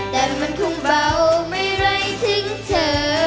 แต่มันคงเบาไม่ไรทิ้งเธอ